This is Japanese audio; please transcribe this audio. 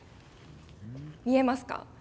見えますか？